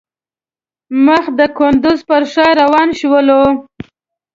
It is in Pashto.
مخ د کندوز پر ښار روان شولو.